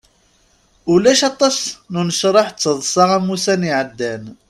Ulac aṭas n unecraḥ d taḍsa am ussan iɛeddan.